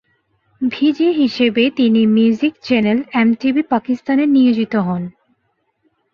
ভিজে হিসেবে তিনি মিউজিক চ্যানেল এমটিভি পাকিস্তানে নিয়োজিত হন।